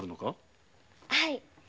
はい。